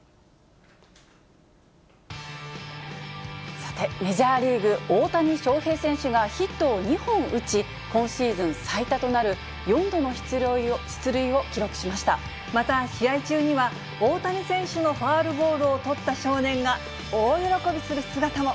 さて、メジャーリーグ、大谷翔平選手がヒットを２本打ち、今シーズン最多となる４度の出塁また、試合中には大谷選手のファウルボールを捕った少年が大喜びする姿も。